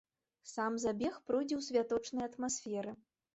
Сам забег пройдзе ў святочнай атмасферы.